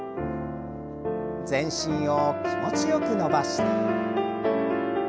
全身を気持ちよく伸ばして。